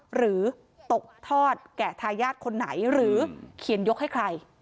หรือตกทอดแก่ทายาทคนไหนหรือเขียนยกให้ใคร